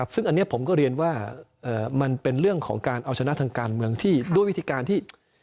ซึ่งอันนี้ผมก็เรียนว่ามันเป็นเรื่องของการเอาชนะทางการเมืองที่ด้วยวิธีการที่